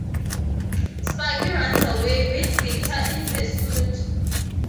Sparky runs away, with Victor in pursuit.